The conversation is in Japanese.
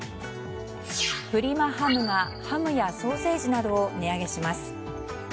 プリマハムがハムやソーセージなどを値上げします。